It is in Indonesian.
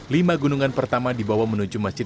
lima gunungan pertama dibawa menuju masjid